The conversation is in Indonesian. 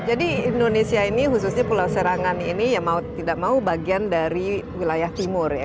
jadi indonesia ini khususnya pulau serangan ini ya mau tidak mau bagian dari wilayah timur ya